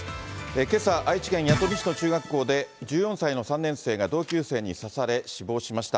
けさ、愛知県弥富市の中学校で１４歳の３年生が同級生に刺され、死亡しました。